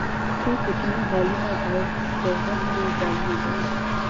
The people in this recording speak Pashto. څو کوچني هالونه او د غونډو ځایونه لري.